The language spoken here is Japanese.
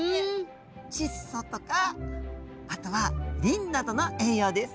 チッ素とかあとはリンなどの栄養です。